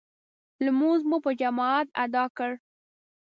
لمونځ مو په جماعت ادا کړ.